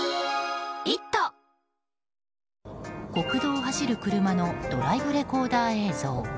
国道を走る車のドライブレコーダー映像。